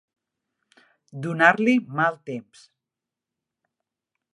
Donar-li mal temps.